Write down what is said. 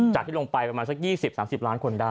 ที่ลงไปประมาณสัก๒๐๓๐ล้านคนได้